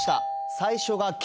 最初が「け」